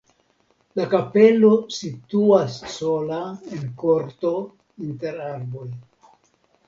La kapelo situas sola en korto inter arboj.